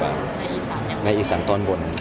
ประมาณ๗โรงพยาบาล